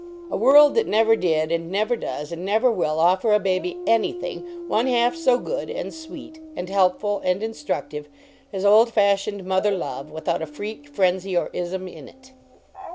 A world that never did, and never does, 18 LEARNING TO BKKATHI : and never will offer a baby anything one half so good, and sweet, and helpful, and instruc tive, as old fashioned mother love, without a freak, frenzy, or ism in it.